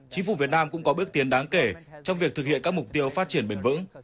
chính phủ việt nam cũng có bước tiến đáng kể trong việc thực hiện các mục tiêu phát triển bền vững